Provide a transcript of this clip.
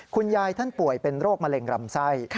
คุณยายท่านป่วยเป็นโรคมะเร็งลำไส้